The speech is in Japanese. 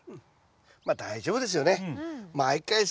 大丈夫ですよね。